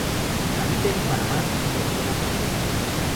Habita en Panamá y la Guayana Francesa.